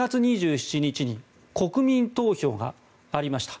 ２月２７日に国民投票がありました。